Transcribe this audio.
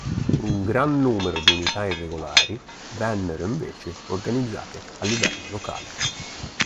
Un gran numero di unità irregolari vennero invece organizzate a livello locale.